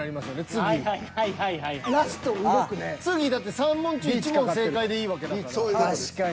次だって３問中１問正解でいいわけだから。